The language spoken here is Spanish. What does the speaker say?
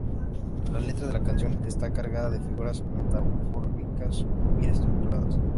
La letra de la canción está cargada de figuras metafóricas bien estructuradas.